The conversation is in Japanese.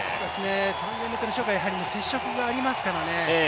３０００ｍ障害、接触がありますからね。